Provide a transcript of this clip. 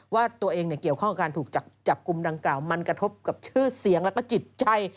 ว่าตัวเองเกี่ยวข้องกับการถูกจับกลุ่มดังกล่าวมันกระทบกับชื่อเสียงแล้วก็จิตใจ